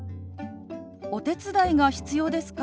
「お手伝いが必要ですか？」。